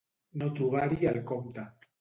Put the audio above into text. No trobar-hi el compte.